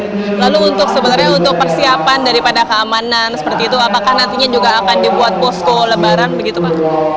lalu untuk sebenarnya untuk persiapan daripada keamanan seperti itu apakah nantinya juga akan dibuat posko lebaran begitu pak